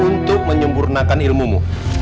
untuk menyempurnakan ilmumu